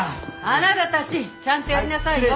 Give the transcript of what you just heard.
あなたたちちゃんとやりなさいよ。